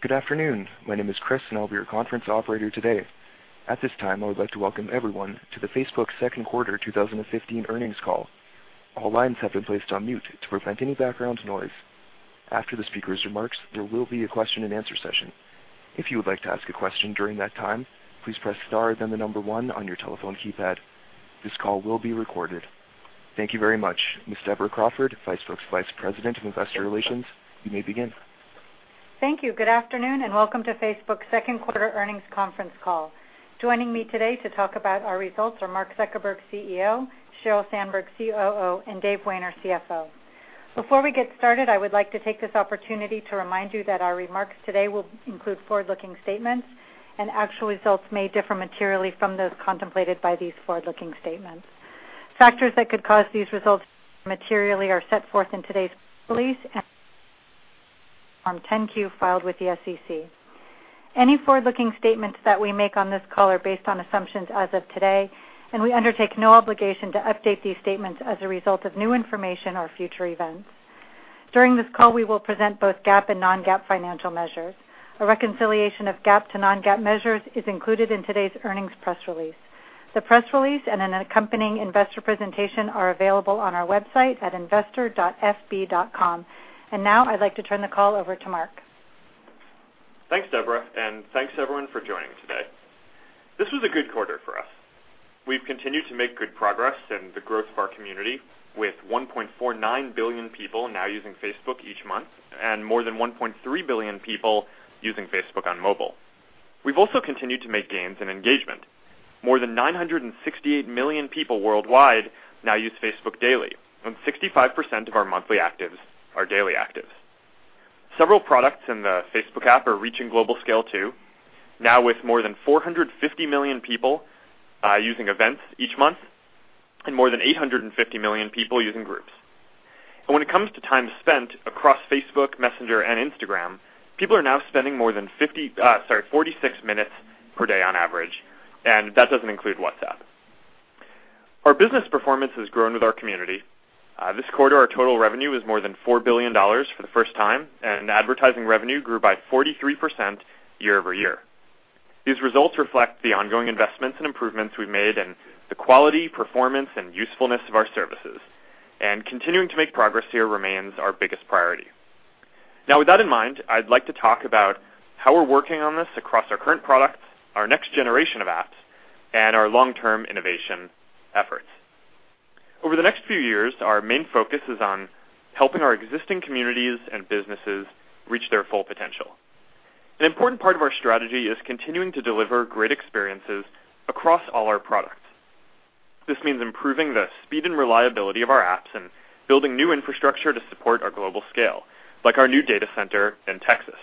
Good afternoon. My name is Chris, and I'll be your conference operator today. At this time, I would like to welcome everyone to the Facebook Second Quarter 2015 Earnings Call. All lines have been placed on mute to prevent any background noise. After the speaker's remarks, there will be a question-and-answer session. If you would like to ask a question during that time, please press star then the number one on your telephone keypad. This call will be recorded. Thank you very much. Ms. Deborah Crawford, Facebook's Vice President of Investor Relations, you may begin. Thank you. Good afternoon, and welcome to Facebook second quarter earnings conference call. Joining me today to talk about our results are Mark Zuckerberg, CEO; Sheryl Sandberg, COO; and Dave Wehner, CFO. Before we get started, I would like to take this opportunity to remind you that our remarks today will include forward-looking statements. Actual results may differ materially from those contemplated by these forward-looking statements. Factors that could cause these results materially are set forth in today's release and Form 10-Q filed with the SEC. Any forward-looking statements that we make on this call are based on assumptions as of today. We undertake no obligation to update these statements as a result of new information or future events. During this call, we will present both GAAP and non-GAAP financial measures. A reconciliation of GAAP to non-GAAP measures is included in today's earnings press release. The press release and an accompanying investor presentation are available on our website at investor.fb.com. Now I'd like to turn the call over to Mark. Thanks, Deborah, and thanks everyone for joining today. This was a good quarter for us. We've continued to make good progress in the growth of our community with 1.49 billion people now using Facebook each month and more than 1.3 billion people using Facebook on mobile. We've also continued to make gains in engagement. More than 968 million people worldwide now use Facebook daily, and 65% of our monthly actives are daily actives. Several products in the Facebook app are reaching global scale too, now with more than 450 million people using events each month and more than 850 million people using Groups. When it comes to time spent across Facebook, Messenger, and Instagram, people are now spending more than 46 minutes per day on average, and that doesn't include WhatsApp. Our business performance has grown with our community. This quarter, our total revenue was more than $4 billion for the first time, and advertising revenue grew by 43% year-over-year. These results reflect the ongoing investments and improvements we've made in the quality, performance, and usefulness of our services. Continuing to make progress here remains our biggest priority. Now, with that in mind, I'd like to talk about how we're working on this across our current products, our next generation of apps, and our long-term innovation efforts. Over the next few years, our main focus is on helping our existing communities and businesses reach their full potential. An important part of our strategy is continuing to deliver great experiences across all our products. This means improving the speed and reliability of our apps and building new infrastructure to support our global scale, like our new data center in Texas.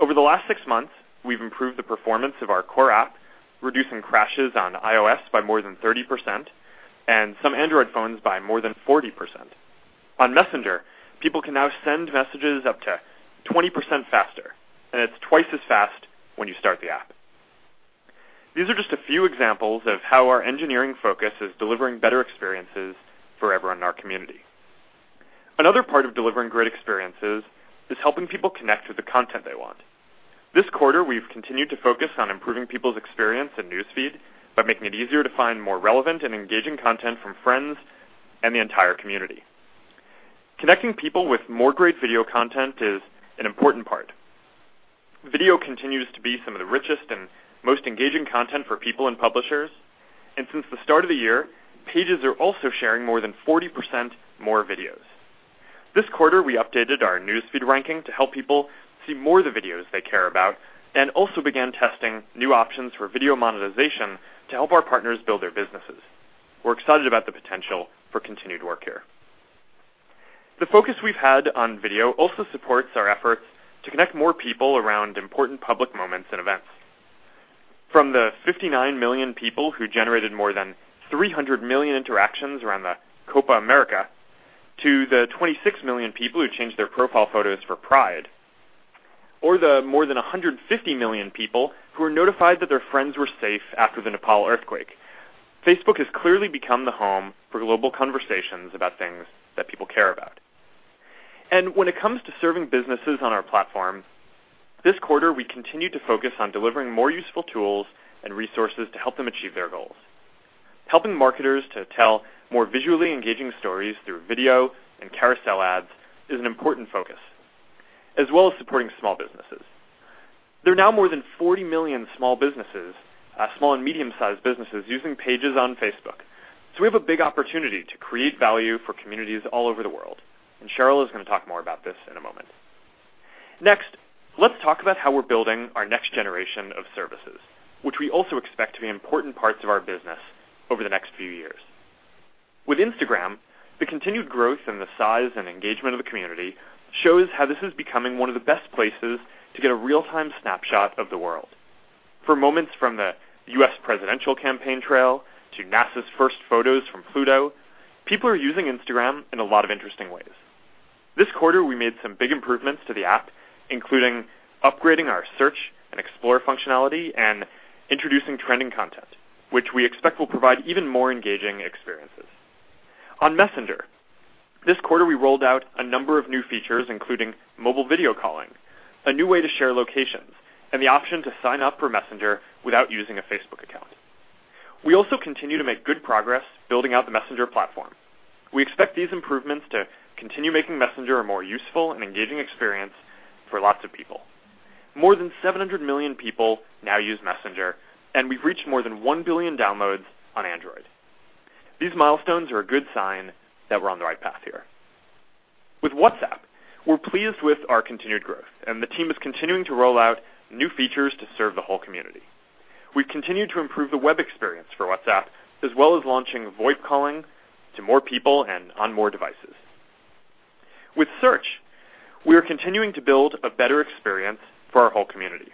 Over the last six months, we've improved the performance of our core app, reducing crashes on iOS by more than 30% and some Android phones by more than 40%. On Messenger, people can now send messages up to 20% faster, and it's twice as fast when you start the app. These are just a few examples of how our engineering focus is delivering better experiences for everyone in our community. Another part of delivering great experiences is helping people connect with the content they want. This quarter, we've continued to focus on improving people's experience in News Feed by making it easier to find more relevant and engaging content from friends and the entire community. Connecting people with more great video content is an important part. Video continues to be some of the richest and most engaging content for people and publishers. Since the start of the year, Pages are also sharing more than 40% more videos. This quarter, we updated our News Feed ranking to help people see more of the videos they care about and also began testing new options for video monetization to help our partners build their businesses. We're excited about the potential for continued work here. The focus we've had on video also supports our efforts to connect more people around important public moments and events. From the 59 million people who generated more than 300 million interactions around the Copa América to the 26 million people who changed their profile photos for Pride or the more than 150 million people who were notified that their friends were safe after the Nepal earthquake. Facebook has clearly become the home for global conversations about things that people care about. When it comes to serving businesses on our platform, this quarter, we continued to focus on delivering more useful tools and resources to help them achieve their goals. Helping marketers to tell more visually engaging stories through video and Carousel Ads is an important focus, as well as supporting small businesses. There are now more than 40 million small businesses, small and medium-sized businesses using Pages on Facebook. We have a big opportunity to create value for communities all over the world, and Sheryl is gonna talk more about this in a moment. Next, let's talk about how we're building our next generation of services, which we also expect to be important parts of our business over the next few years. With Instagram, the continued growth in the size and engagement of the community shows how this is becoming one of the best places to get a real-time snapshot of the world. For moments from the U.S. presidential campaign trail to NASA's first photos from Pluto, people are using Instagram in a lot of interesting ways. This quarter, we made some big improvements to the app, including upgrading our Search and Explore functionality and introducing trending content, which we expect will provide even more engaging experiences. On Messenger, this quarter, we rolled out a number of new features, including mobile video calling, a new way to share locations, and the option to sign up for Messenger without using a Facebook account. We also continue to make good progress building out the Messenger platform. We expect these improvements to continue making Messenger a more useful and engaging experience for lots of people. More than 700 million people now use Messenger, and we've reached more than 1 billion downloads on Android. These milestones are a good sign that we're on the right path here. With WhatsApp, we're pleased with our continued growth, and the team is continuing to roll out new features to serve the whole community. We've continued to improve the web experience for WhatsApp, as well as launching VoIP calling to more people and on more devices. With Search, we are continuing to build a better experience for our whole community.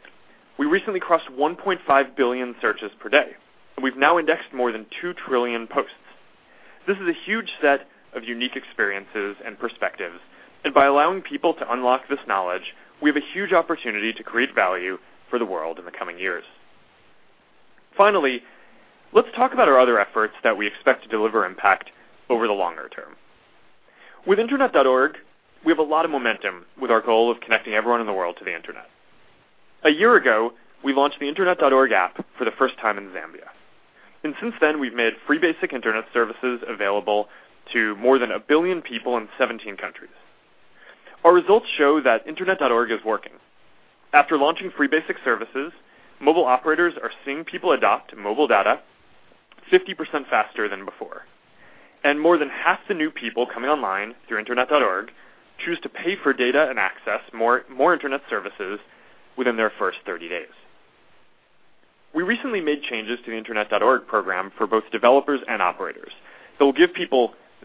We recently crossed 1.5 billion searches per day, and we've now indexed more than 2 trillion posts. This is a huge set of unique experiences and perspectives, and by allowing people to unlock this knowledge, we have a huge opportunity to create value for the world in the coming years. Finally, let's talk about our other efforts that we expect to deliver impact over the longer term. With Internet.org, we have a lot of momentum with our goal of connecting everyone in the world to the Internet. A year ago, we launched the Internet.org app for the first time in Zambia. Since then, we've made free basic Internet services available to more than 1 billion people in 17 countries. Our results show that Internet.org is working. After launching free basic services, mobile operators are seeing people adopt mobile data 50% faster than before. More than half the new people coming online through Internet.org choose to pay for data and access more Internet services within their first 30 days. We recently made changes to the Internet.org program for both developers and operators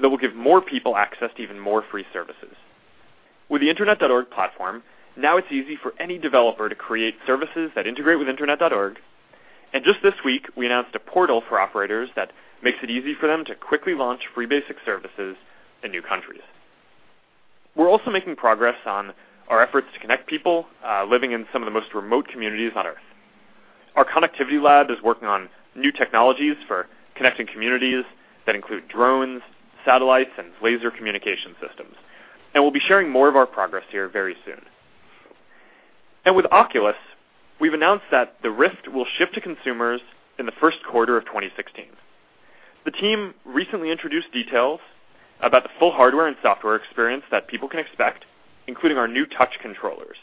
that will give more people access to even more free services. With the Internet.org platform, now it's easy for any developer to create services that integrate with Internet.org. Just this week, we announced a portal for operators that makes it easy for them to quickly launch free basic services in new countries. We're also making progress on our efforts to connect people living in some of the most remote communities on Earth. Our connectivity lab is working on new technologies for connecting communities that include drones, satellites, and laser communication systems. We'll be sharing more of our progress here very soon. With Oculus, we've announced that the Rift will ship to consumers in the first quarter of 2016. The team recently introduced details about the full hardware and software experience that people can expect, including our new Touch controllers.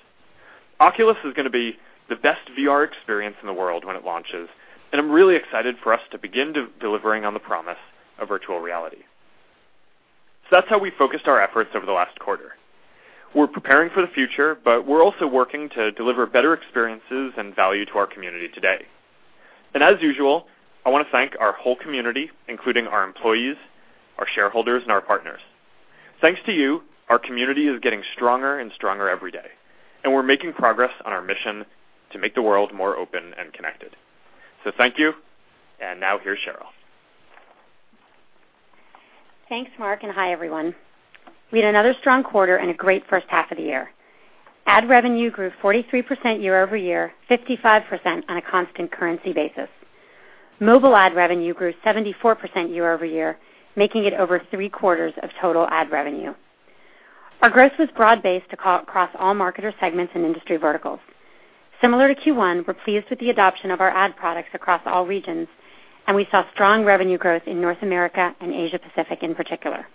Oculus is gonna be the best VR experience in the world when it launches, and I'm really excited for us to begin delivering on the promise of virtual reality. That's how we focused our efforts over the last quarter. We're preparing for the future, but we're also working to deliver better experiences and value to our community today. As usual, I wanna thank our whole community, including our employees, our shareholders, and our partners. Thanks to you, our community is getting stronger and stronger every day, and we're making progress on our mission to make the world more open and connected. Thank you, and now here's Sheryl. Thanks, Mark, hi, everyone. We had another strong quarter and a great first half of the year. Ad revenue grew 43% year-over-year, 55% on a constant currency basis. Mobile ad revenue grew 74% year-over-year, making it over three-quarters of total ad revenue. Our growth was broad-based across all marketer segments and industry verticals. Similar to Q1, we're pleased with the adoption of our ad products across all regions, and we saw strong revenue growth in North America and Asia Pacific in particular.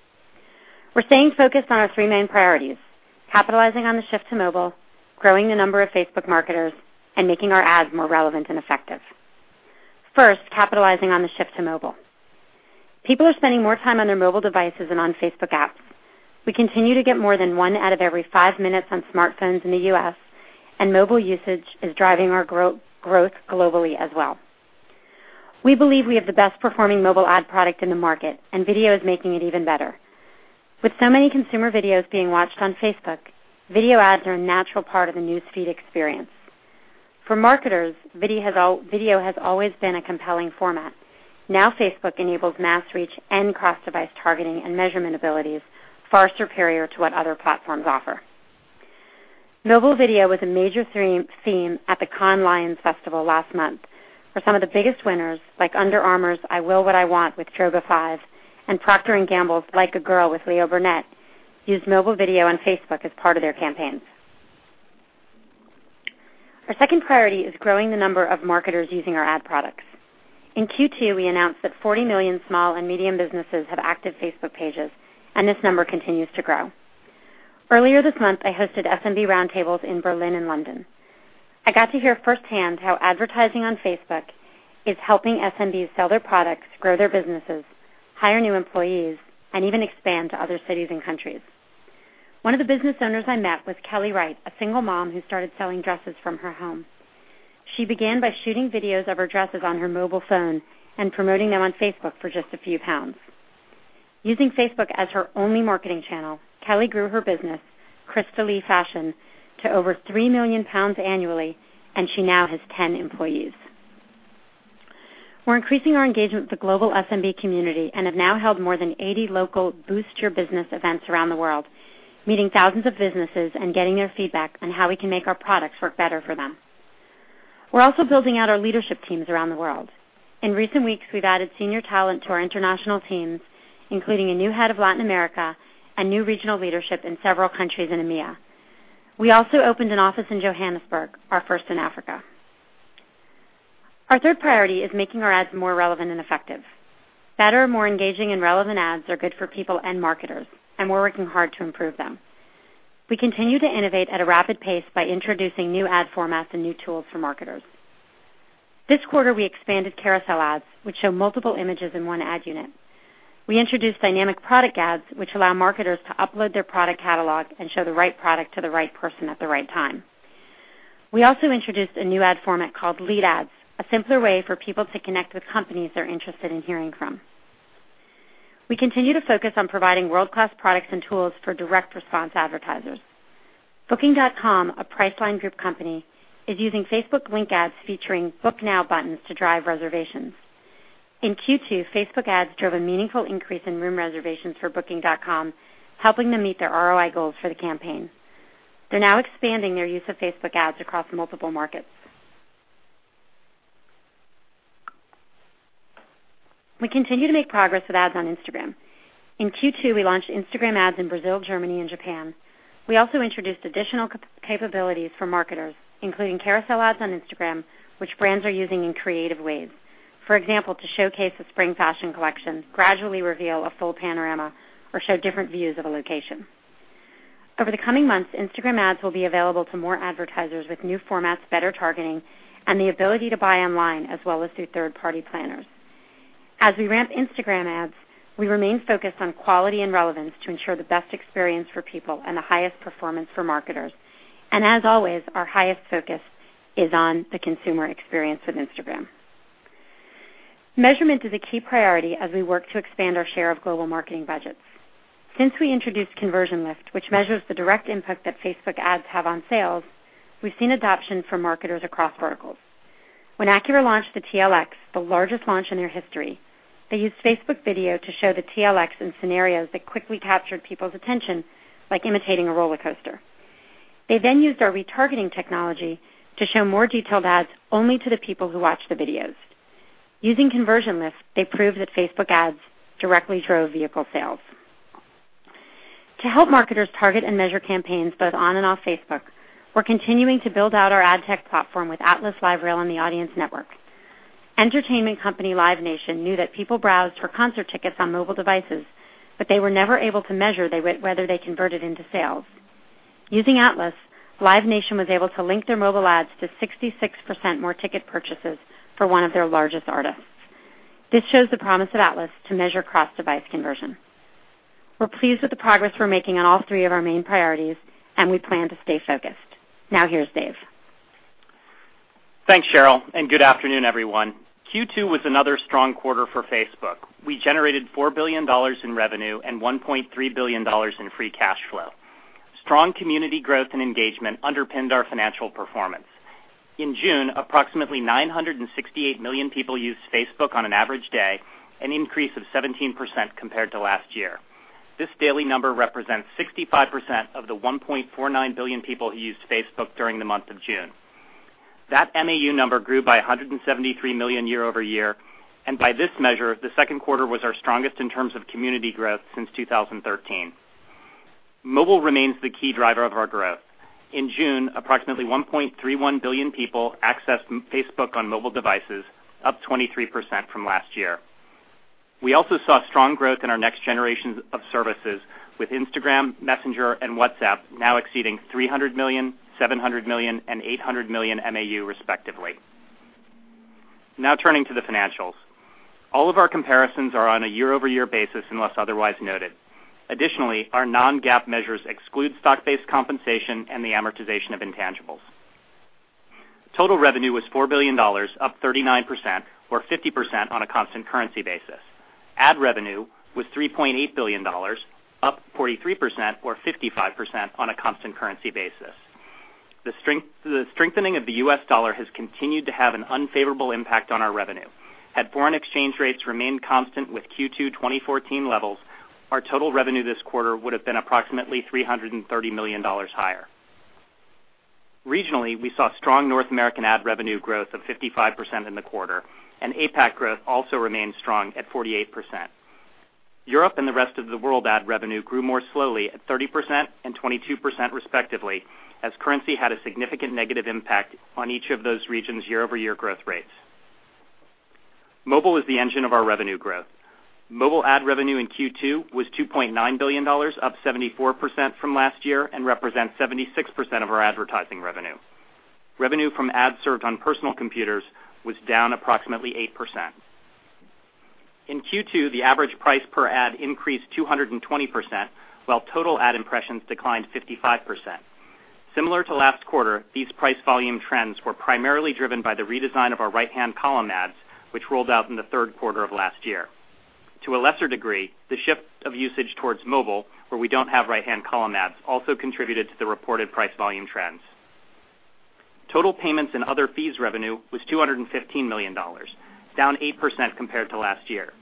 We're staying focused on our three main priorities: capitalizing on the shift to mobile, growing the number of Facebook marketers, and making our ads more relevant and effective. First, capitalizing on the shift to mobile. People are spending more time on their mobile devices and on Facebook apps. We continue to get more than one out of every five minutes on smartphones in the U.S., and mobile usage is driving our growth globally as well. We believe we have the best-performing mobile ad product in the market, and video is making it even better. With so many consumer videos being watched on Facebook, video ads are a natural part of the News Feed experience. For marketers, video has always been a compelling format. Now Facebook enables mass reach and cross-device targeting and measurement abilities far superior to what other platforms offer. Mobile video was a major theme at the Cannes Lions Festival last month, where some of the biggest winners, like Under Armour's I Will What I Want with Droga5 and Procter & Gamble's Like a Girl with Leo Burnett, used mobile video on Facebook as part of their campaigns. Our second priority is growing the number of marketers using our ad products. In Q2, we announced that 40 million small and medium businesses have active Facebook Pages, and this number continues to grow. Earlier this month, I hosted SMB roundtables in Berlin and London. I got to hear firsthand how advertising on Facebook is helping SMBs sell their products, grow their businesses, hire new employees, and even expand to other cities and countries. One of the business owners I met was Kelly Wright, a single mom who started selling dresses from her home. She began by shooting videos of her dresses on her mobile phone and promoting them on Facebook for just a few pounds. Using Facebook as her only marketing channel, Kelly grew her business, Crystal Lee Fashion, to over 3 million pounds annually, and she now has 10 employees. We're increasing our engagement with the global SMB community, and have now held more than 80 local Boost Your Business events around the world, meeting thousands of businesses and getting their feedback on how we can make our products work better for them. We're also building out our leadership teams around the world. In recent weeks, we've added senior talent to our international teams, including a new head of Latin America and new regional leadership in several countries in EMEA. We also opened an office in Johannesburg, our first in Africa. Our third priority is making our ads more relevant and effective. Better, more engaging and relevant ads are good for people and marketers, and we're working hard to improve them. We continue to innovate at a rapid pace by introducing new ad formats and new tools for marketers. This quarter, we expanded Carousel Ads, which show multiple images in one ad unit. We introduced Dynamic Product ads, which allow marketers to upload their product catalog and show the right product to the right person at the right time. We also introduced a new ad format called Lead Ads, a simpler way for people to connect with companies they're interested in hearing from. We continue to focus on providing world-class products and tools for direct response advertisers. Booking.com, a Priceline Group company, is using Facebook link ads featuring Book Now buttons to drive reservations. In Q2, Facebook ads drove a meaningful increase in room reservations for Booking.com, helping them meet their ROI goals for the campaign. They're now expanding their use of Facebook ads across multiple markets. We continue to make progress with ads on Instagram. In Q2, we launched Instagram ads in Brazil, Germany and Japan. We also introduced additional capabilities for marketers, including Carousel Ads on Instagram, which brands are using in creative ways. For example, to showcase a spring fashion collection, gradually reveal a full panorama, or show different views of a location. Over the coming months, Instagram ads will be available to more advertisers with new formats, better targeting, and the ability to buy online, as well as through third-party planners. As we ramp Instagram ads, we remain focused on quality and relevance to ensure the best experience for people and the highest performance for marketers. As always, our highest focus is on the consumer experience with Instagram. Measurement is a key priority as we work to expand our share of global marketing budgets. Since we introduced Conversion Lift, which measures the direct impact that Facebook ads have on sales, we've seen adoption from marketers across verticals. When Acura launched the TLX, the largest launch in their history, they used Facebook Video to show the TLX in scenarios that quickly captured people's attention, like imitating a rollercoaster. They then used our retargeting technology to show more detailed ads only to the people who watched the videos. Using Conversion Lift, they proved that Facebook ads directly drove vehicle sales. To help marketers target and measure campaigns both on and off Facebook, we're continuing to build out our ad tech platform with Atlas, LiveRail, and the Audience Network. Entertainment company Live Nation knew that people browsed for concert tickets on mobile devices, but they were never able to measure they whether they converted into sales. Using Atlas, Live Nation was able to link their mobile ads to 66% more ticket purchases for one of their largest artists. This shows the promise of Atlas to measure cross-device conversion. We're pleased with the progress we're making on all three of our main priorities, and we plan to stay focused. Now here's Dave. Thanks, Sheryl. Good afternoon, everyone. Q2 was another strong quarter for Facebook. We generated $4 billion in revenue and $1.3 billion in free cash flow. Strong community growth and engagement underpinned our financial performance. In June, approximately 968 million people used Facebook on an average day, an increase of 17% compared to last year. This daily number represents 65% of the 1.49 billion people who used Facebook during the month of June. That MAU number grew by 173 million year-over-year, and by this measure, the second quarter was our strongest in terms of community growth since 2013. Mobile remains the key driver of our growth. In June, approximately 1.31 billion people accessed Facebook on mobile devices, up 23% from last year. We also saw strong growth in our next generation of services with Instagram, Messenger, and WhatsApp now exceeding 300 million, 700 million, and 800 million MAU respectively. Turning to the financials. All of our comparisons are on a year-over-year basis, unless otherwise noted. Additionally, our non-GAAP measures exclude stock-based compensation and the amortization of intangibles. Total revenue was $4 billion, up 39%, or 50% on a constant currency basis. Ad revenue was $3.8 billion, up 43%, or 55% on a constant currency basis. The strengthening of the U.S. dollar has continued to have an unfavorable impact on our revenue. Had foreign exchange rates remained constant with Q2 2014 levels, our total revenue this quarter would have been approximately $330 million higher. Regionally, we saw strong North American ad revenue growth of 55% in the quarter, and APAC growth also remained strong at 48%. Europe and the rest of the world ad revenue grew more slowly at 30% and 22% respectively, as currency had a significant negative impact on each of those regions' year-over-year growth rates. Mobile is the engine of our revenue growth. Mobile ad revenue in Q2 was $2.9 billion, up 74% from last year, and represents 76% of our advertising revenue. Revenue from ads served on personal computers was down approximately 8%. In Q2, the average price per ad increased 220%, while total ad impressions declined 55%. Similar to last quarter, these price volume trends were primarily driven by the redesign of our right-hand column ads, which rolled out in the third quarter of last year. To a lesser degree, the shift of usage towards mobile, where we don't have right-hand column ads, also contributed to the reported price volume trends. Total payments and other fees revenue was $215 million, down 8% compared to last year.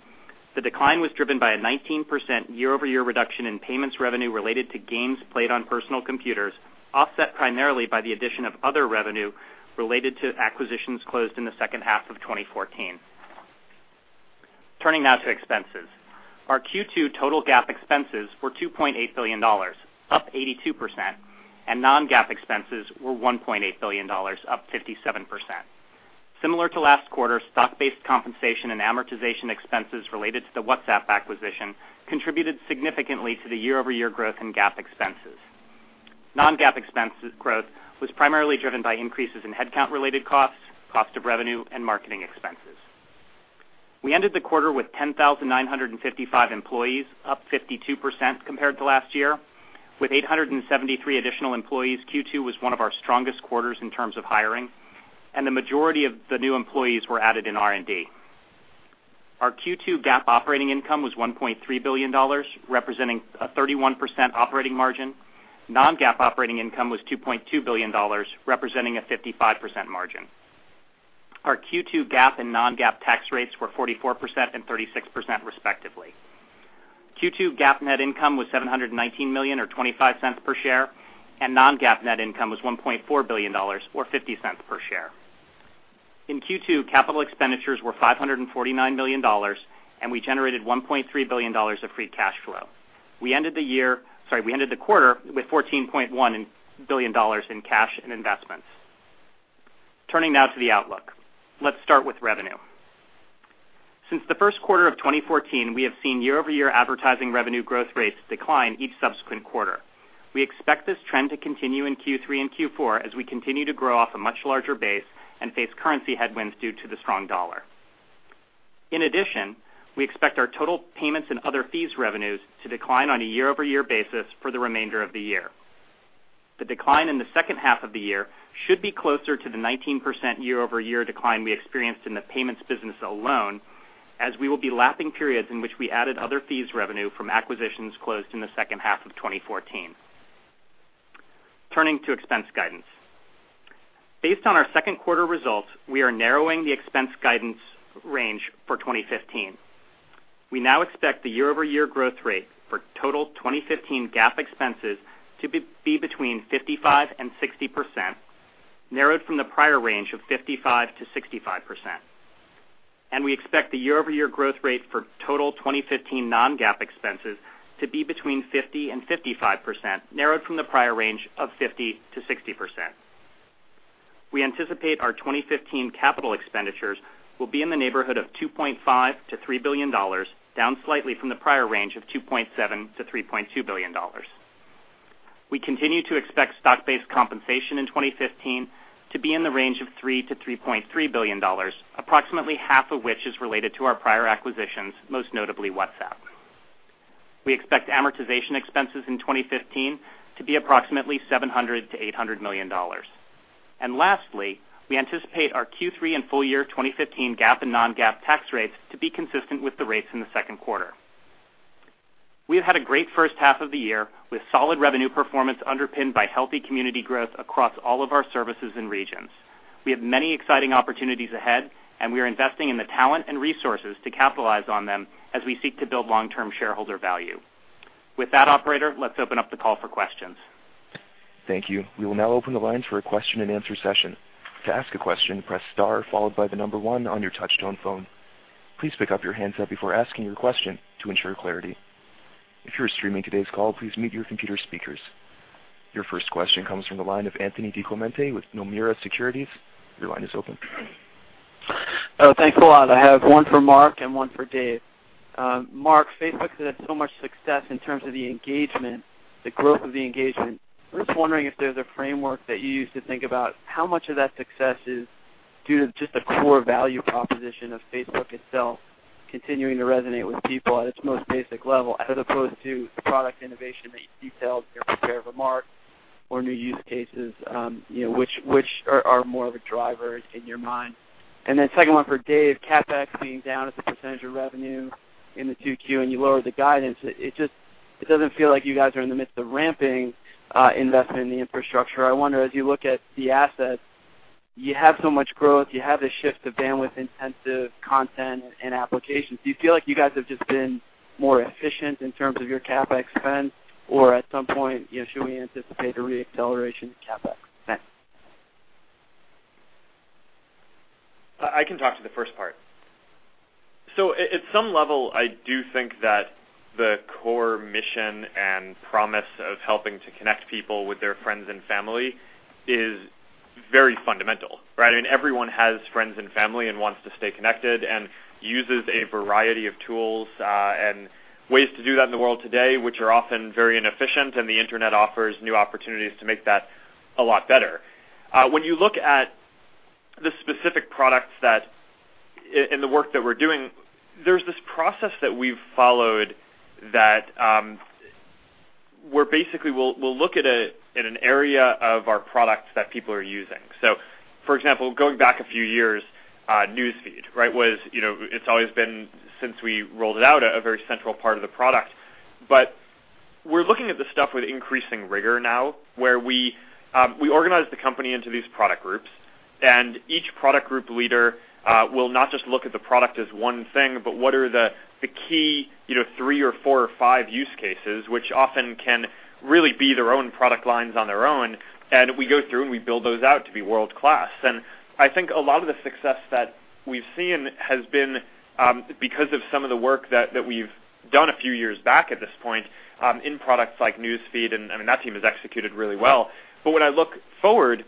The decline was driven by a 19% year-over-year reduction in payments revenue related to games played on personal computers, offset primarily by the addition of other revenue related to acquisitions closed in the second half of 2014. Turning now to expenses. Our Q2 total GAAP expenses were $2.8 billion, up 82%, and non-GAAP expenses were $1.8 billion, up 57%. Similar to last quarter, stock-based compensation and amortization expenses related to the WhatsApp acquisition contributed significantly to the year-over-year growth in GAAP expenses. Non-GAAP expense growth was primarily driven by increases in headcount related costs, cost of revenue, and marketing expenses. We ended the quarter with 10,955 employees, up 52% compared to last year. With 873 additional employees, Q2 was one of our strongest quarters in terms of hiring, and the majority of the new employees were added in R&D. Our Q2 GAAP operating income was $1.3 billion, representing a 31% operating margin. Non-GAAP operating income was $2.2 billion, representing a 55% margin. Our Q2 GAAP and non-GAAP tax rates were 44% and 36% respectively. Q2 GAAP net income was $719 million, or $0.25 per share, and non-GAAP net income was $1.4 billion, or $0.50 per share. In Q2, capital expenditures were $549 million, and we generated $1.3 billion of free cash flow. We ended the quarter with $14.1 billion in cash and investments. Turning now to the outlook. Let's start with revenue. Since the first quarter of 2014, we have seen year-over-year advertising revenue growth rates decline each subsequent quarter. We expect this trend to continue in Q3 and Q4 as we continue to grow off a much larger base and face currency headwinds due to the strong dollar. In addition, we expect our total payments and other fees revenues to decline on a year-over-year basis for the remainder of the year. The decline in the second half of the year should be closer to the 19% year-over-year decline we experienced in the payments business alone, as we will be lapping periods in which we added other fees revenue from acquisitions closed in the second half of 2014. Turning to expense guidance. Based on our second quarter results, we are narrowing the expense guidance range for 2015. We now expect the year-over-year growth rate for total 2015 GAAP expenses to be between 55% and 60%, narrowed from the prior range of 55%-65%. We expect the year-over-year growth rate for total 2015 non-GAAP expenses to be between 50% and 55%, narrowed from the prior range of 50%-60%. We anticipate our 2015 capital expenditures will be in the neighborhood of $2.5 billion-$3 billion, down slightly from the prior range of $2.7 billion-$3.2 billion. We continue to expect stock-based compensation in 2015 to be in the range of $3 billion-$3.3 billion, approximately half of which is related to our prior acquisitions, most notably WhatsApp. We expect amortization expenses in 2015 to be approximately $700 million-$800 million. Lastly, we anticipate our Q3 and full year 2015 GAAP and non-GAAP tax rates to be consistent with the rates in the second quarter. We have had a great first half of the year, with solid revenue performance underpinned by healthy community growth across all of our services and regions. We have many exciting opportunities ahead, we are investing in the talent and resources to capitalize on them as we seek to build long-term shareholder value. With that, operator, let's open up the call for questions. Thank you. We will now open the lines for a question-and-answer session. Your first question comes from the line of Anthony DiClemente with Nomura Securities. Oh, thanks a lot. I have one for Mark and one for Dave. Mark, Facebook's had so much success in terms of the engagement, the growth of the engagement. I'm just wondering if there's a framework that you use to think about how much of that success is due to just the core value proposition of Facebook itself continuing to resonate with people at its most basic level, as opposed to the product innovation that you detailed in your prepared remarks or new use cases, you know, which are more of the drivers in your mind? Second one for Dave. CapEx being down as a percentage of revenue in the 2Q and you lowered the guidance, it just doesn't feel like you guys are in the midst of ramping investment in the infrastructure. I wonder, as you look at the assets, you have so much growth, you have this shift to bandwidth-intensive content and applications. Do you feel like you guys have just been more efficient in terms of your CapEx spend, or at some point, you know, should we anticipate a re-acceleration in CapEx? Thanks. I can talk to the first part. At some level, I do think that the core mission and promise of helping to connect people with their friends and family is very fundamental, right? I mean, everyone has friends and family and wants to stay connected and uses a variety of tools and ways to do that in the world today, which are often very inefficient, and the Internet offers new opportunities to make that a lot better. When you look at the specific products that, in the work that we're doing, there's this process that we've followed that we're basically we'll look at an area of our products that people are using. For example, going back a few years, News Feed, right? Was, you know, it's always been, since we rolled it out, a very central part of the product. We're looking at the stuff with increasing rigor now, where we organize the company into these product groups, and each product group leader will not just look at the product as one thing, but what are the key, you know, three or four or five use cases, which often can really be their own product lines on their own. We go through, and we build those out to be world-class. I think a lot of the success that we've seen has been because of some of the work that we've done a few years back at this point in products like News Feed and that team has executed really well. When I look forward,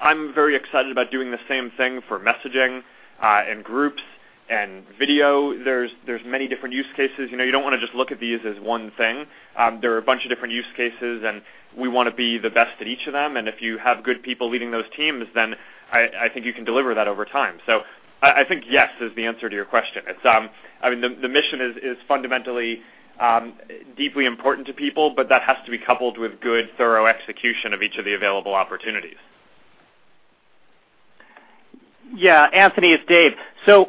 I'm very excited about doing the same thing for messaging, and Groups and video. There's many different use cases. You know, you don't wanna just look at these as one thing. There are a bunch of different use cases, we wanna be the best at each of them. If you have good people leading those teams, then I think you can deliver that over time. I think yes is the answer to your question. It's, I mean, the mission is fundamentally deeply important to people, that has to be coupled with good, thorough execution of each of the available opportunities. Yeah, Anthony, it's Dave.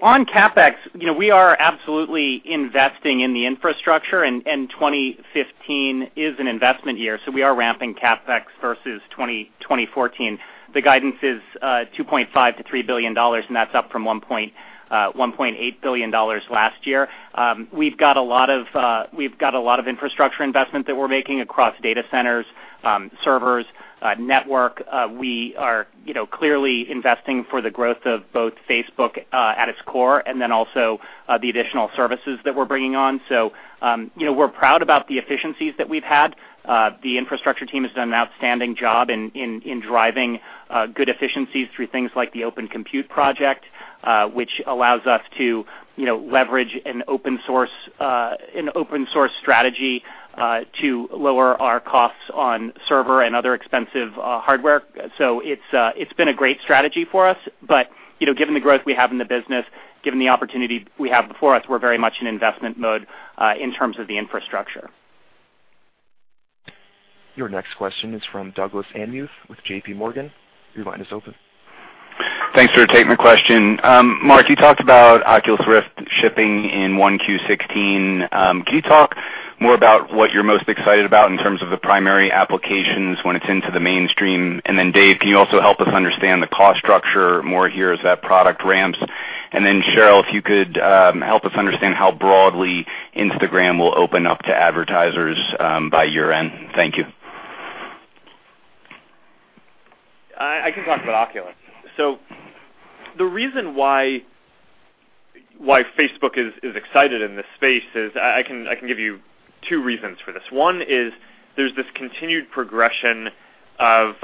On CapEx, you know, we are absolutely investing in the infrastructure, and 2015 is an investment year, we are ramping CapEx versus 2014. The guidance is $2.5 billion-$3 billion, and that's up from $1.8 billion last year. We've got a lot of infrastructure investment that we're making across data centers, servers, network. We are, you know, clearly investing for the growth of both Facebook at its core and then also the additional services that we're bringing on. You know, we're proud about the efficiencies that we've had. The infrastructure team has done an outstanding job in driving good efficiencies through things like the Open Compute Project, which allows us to, you know, leverage an open source strategy to lower our costs on server and other expensive hardware. It's been a great strategy for us. You know, given the growth we have in the business, given the opportunity we have before us, we're very much in investment mode in terms of the infrastructure. Your next question is from Douglas Anmuth with JPMorgan. Your line is open. Thanks for taking the question. Mark, you talked about Oculus Rift shipping in 1Q 2016. Can you talk more about what you're most excited about in terms of the primary applications when it's into the mainstream? Dave, can you also help us understand the cost structure more here as that product ramps? Sheryl, if you could help us understand how broadly Instagram will open up to advertisers by year-end. Thank you. I can talk about Oculus. The reason why Facebook is excited in this space is I can give you two reasons for this. One is there's this continued progression of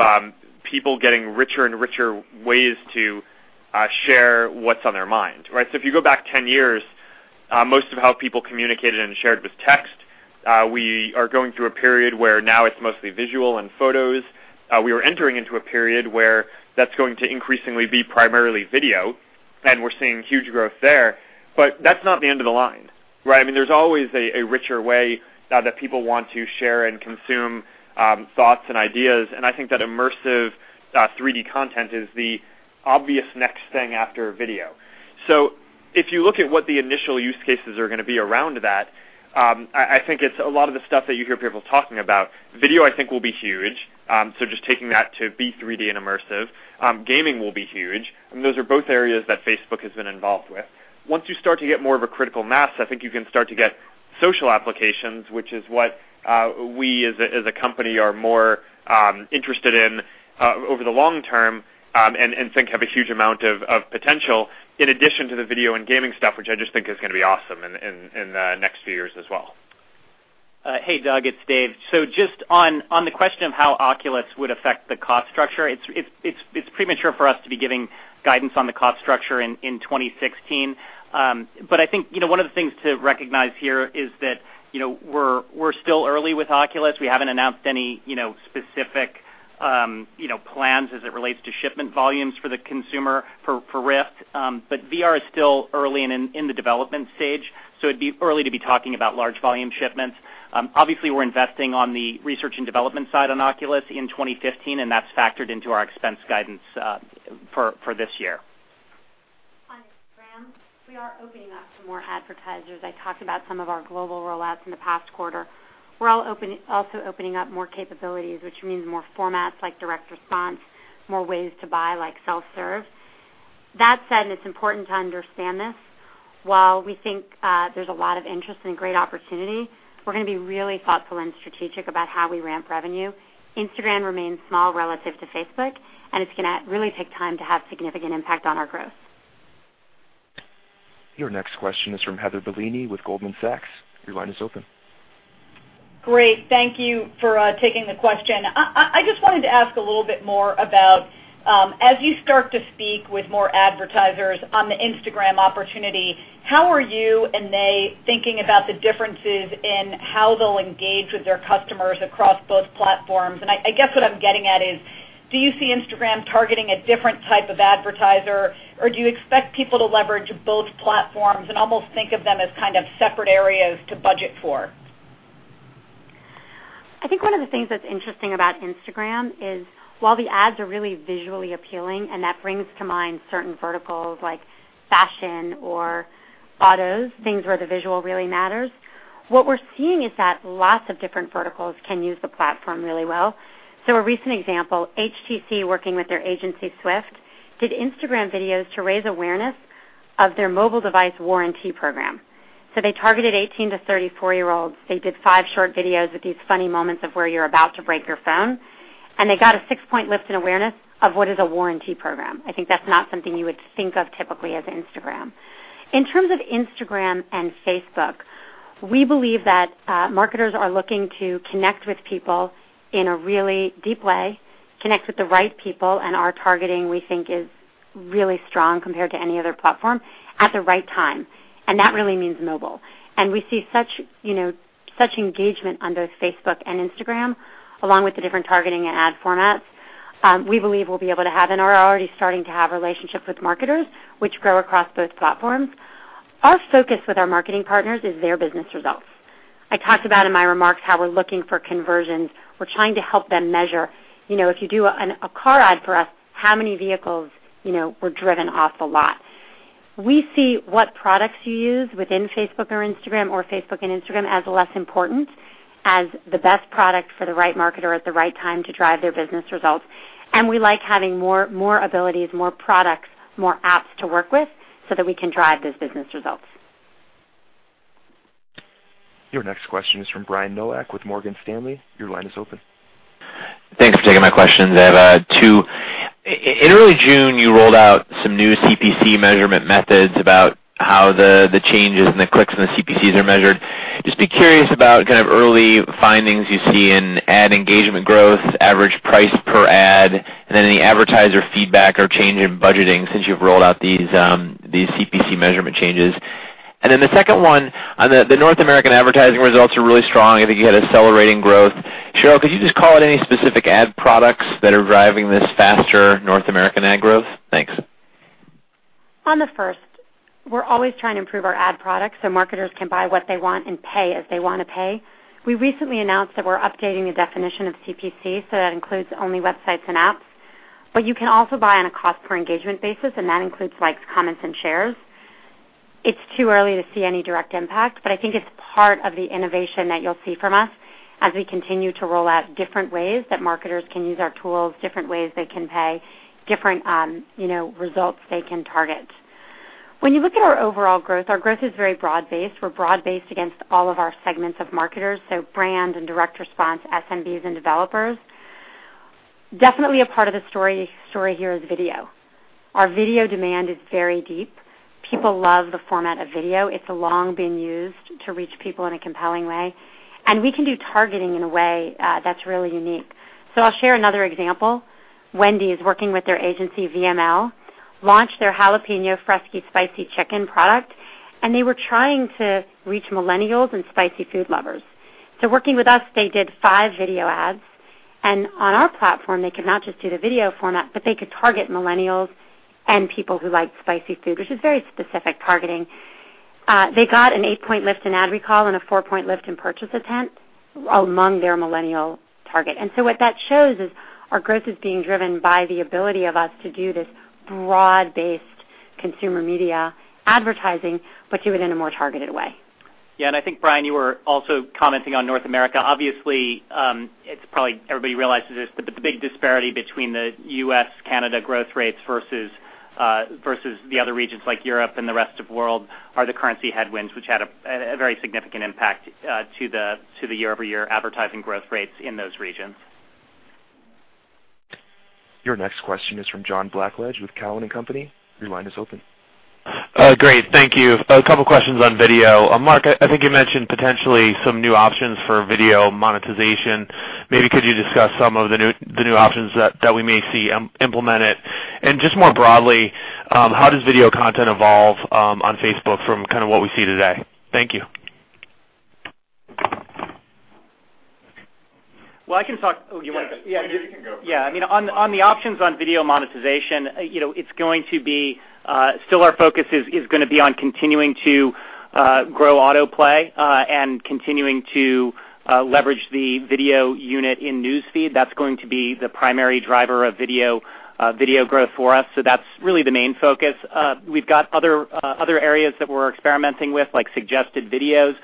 people getting richer and richer ways to share what's on their mind, right? If you go back 10 years, most of how people communicated and shared was text. We are going through a period where now it's mostly visual and photos. We are entering into a period where that's going to increasingly be primarily video, and we're seeing huge growth there. That's not the end of the line, right? I mean, there's always a richer way that people want to share and consume thoughts and ideas. I think that immersive 3D content is the obvious next thing after video. If you look at what the initial use cases are gonna be around that, I think it's a lot of the stuff that you hear people talking about. Video, I think, will be huge. Just taking that to be 3D and immersive. Gaming will be huge. Those are both areas that Facebook has been involved with. Once you start to get more of a critical mass, I think you can start to get social applications, which is what we as a company are more interested in over the long term, and think have a huge amount of potential in addition to the video and gaming stuff, which I just think is gonna be awesome in the next few years as well. Hey, Doug, it's Dave. Just on the question of how Oculus would affect the cost structure, it's premature for us to be giving guidance on the cost structure in 2016. I think, you know, one of the things to recognize here is that, you know, we're still early with Oculus. We haven't announced any, you know, specific, you know, plans as it relates to shipment volumes for the consumer for Rift. VR is still early in the development stage, so it'd be early to be talking about large volume shipments. Obviously, we're investing on the R&D side on Oculus in 2015, and that's factored into our expense guidance for this year. On Instagram, we are opening up to more advertisers. I talked about some of our global rollouts in the past quarter. We're also opening up more capabilities, which means more formats like direct response, more ways to buy, like self-serve. That said, and it's important to understand this, while we think there's a lot of interest and great opportunity, we're gonna be really thoughtful and strategic about how we ramp revenue. Instagram remains small relative to Facebook. It's gonna really take time to have significant impact on our growth. Your next question is from Heather Bellini with Goldman Sachs. Your line is open. Great. Thank you for taking the question. I just wanted to ask a little bit more about, as you start to speak with more advertisers on the Instagram opportunity, how are you and they thinking about the differences in how they'll engage with their customers across both platforms? I guess what I'm getting at is, do you see Instagram targeting a different type of advertiser, or do you expect people to leverage both platforms and almost think of them as kind of separate areas to budget for? I think one of the things that's interesting about Instagram is while the ads are really visually appealing, and that brings to mind certain verticals like fashion or autos, things where the visual really matters, what we're seeing is that lots of different verticals can use the platform really well. A recent example, HTC working with their agency, Swift, did Instagram videos to raise awareness of their mobile device warranty program. They targeted 18 to 34-year-olds. They did five short videos with these funny moments of where you're about to break your phone, and they got a six-point lift in awareness of what is a warranty program. I think that's not something you would think of typically as Instagram. In terms of Instagram and Facebook, we believe that marketers are looking to connect with people in a really deep way, connect with the right people, and our targeting, we think, is really strong compared to any other platform at the right time, and that really means mobile. We see such, you know, such engagement on both Facebook and Instagram, along with the different targeting and ad formats, we believe we'll be able to have and are already starting to have relationships with marketers which grow across both platforms. Our focus with our marketing partners is their business results. I talked about in my remarks how we're looking for conversions. We're trying to help them measure. You know, if you do a car ad for us, how many vehicles, you know, were driven off the lot? We see what products you use within Facebook or Instagram or Facebook and Instagram as less important as the best product for the right marketer at the right time to drive their business results. We like having more abilities, more products, more apps to work with so that we can drive those business results. Your next question is from Brian Nowak with Morgan Stanley. Your line is open. Thanks for taking my question. I have two. In early June, you rolled out some new CPC measurement methods about how the changes in the clicks and the CPCs are measured. Just be curious about kind of early findings you see in ad engagement growth, average price per ad, and any advertiser feedback or change in budgeting since you've rolled out these CPC measurement changes. The second one, on the North American advertising results are really strong. I think you had accelerating growth. Sheryl, could you just call out any specific ad products that are driving this faster North American ad growth? Thanks. On the first, we're always trying to improve our ad products so marketers can buy what they want and pay as they wanna pay. We recently announced that we're updating the definition of CPC, so that includes only websites and apps. You can also buy on a cost per engagement basis, and that includes likes, comments, and shares. It's too early to see any direct impact, but I think it's part of the innovation that you'll see from us as we continue to roll out different ways that marketers can use our tools, different ways they can pay, different, you know, results they can target. When you look at our overall growth, our growth is very broad-based. We're broad-based against all of our segments of marketers, so brand and direct response, SMBs and developers. Definitely a part of the story here is video. Our video demand is very deep. People love the format of video. It's long been used to reach people in a compelling way, and we can do targeting in a way that's really unique. I'll share another example. Wendy's is working with their agency, VML, launched their Jalapeño Fresco Spicy Chicken product, and they were trying to reach millennials and spicy food lovers. Working with us, they did five video ads. On our platform, they could not just do the video format, but they could target millennials and people who like spicy food, which is very specific targeting. They got an eight point lift in ad recall and a four point lift in purchase attempt among their millennial target. What that shows is our growth is being driven by the ability of us to do this broad-based consumer media advertising, but do it in a more targeted way. I think, Brian, you were also commenting on North America. Obviously, it's probably everybody realizes this, but the big disparity between the U.S., Canada growth rates versus versus the other regions like Europe and the rest of world are the currency headwinds, which had a very significant impact to the year-over-year advertising growth rates in those regions. Your next question is from John Blackledge with Cowen and Company. Your line is open. Great. Thank you. A couple of questions on video. Mark, I think you mentioned potentially some new options for video monetization. Maybe could you discuss some of the new options that we may see implemented? Just more broadly, how does video content evolve on Facebook from kind of what we see today? Thank you. Well, I can talk. Yeah. You can go. Yeah. I mean, on the options on video monetization, you know, it's going to be still our focus is going to be on continuing to grow autoplay and continuing to leverage the video unit in News Feed. That's going to be the primary driver of video video growth for us. That's really the main focus. We've got other other areas that we're experimenting with, like suggested videos,